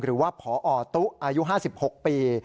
หรือว่าพอตุ๊อายุ๕๖ปี